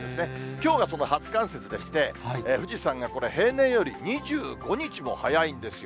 きょうがその初冠雪でして、富士山が平年より２５日も早いんですよ。